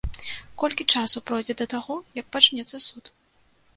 Колькі часу пройдзе да таго, як пачнецца суд?